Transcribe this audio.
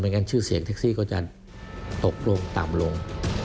งั้นชื่อเสียงแท็กซี่ก็จะตกลงต่ำลง